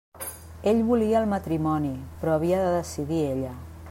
Ell volia el matrimoni, però havia de decidir ella.